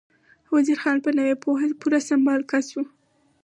وزیر خان په نوې پوهه پوره سمبال کس و.